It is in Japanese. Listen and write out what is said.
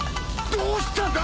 どうしたんだ！？